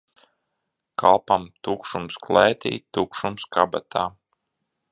Kalpam tukšums klētī, tukšums kabatā.